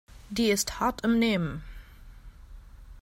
Die ist hart im Nehmen.